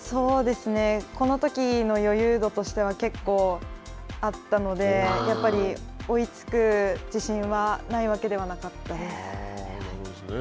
このときの余裕度としては、結構あったので、やっぱり追いつく自信はないわけではなかったです。